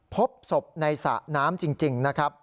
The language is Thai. พบศพในสระน้ำจริงนะครับ